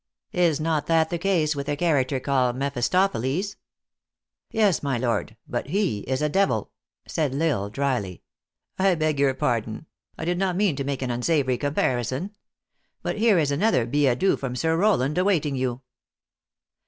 Is not that the case with a character called Mephistophiles ?"" Yes, my lord ; but he is a devil," said L Isle, drily. " I beg your pardon. I did not mean to make an unsavory comparison. But here is another billet doux from Sir Rowland awaiting you."